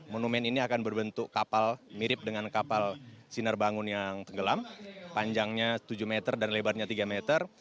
monumen ini akan berbentuk kapal mirip dengan kapal sinar bangun yang tenggelam panjangnya tujuh meter dan lebarnya tiga meter